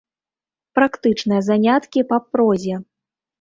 Практычныя заняткі па прозе.